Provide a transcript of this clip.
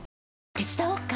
手伝おっか？